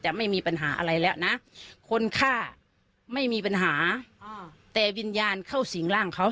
ไม่มีปัญหาอะไรแล้วนะคนฆ่าไม่มีปัญหาแต่วิญญาณเข้าสิ่งร่างเขา